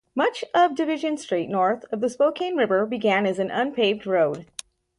Much of Division Street north of the Spokane River began as an unpaved road.